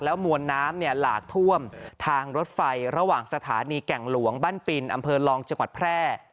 มวลน้ำหลากท่วมทางรถไฟระหว่างสถานีแก่งหลวงบ้านปินอำเภอลองจังหวัดแพร่